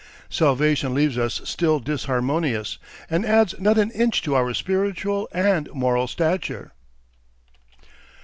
Salvation leaves us still disharmonious, and adds not an inch to our spiritual and moral stature.